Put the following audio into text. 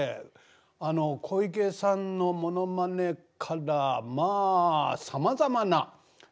あの小池さんのものまねからまあさまざまな。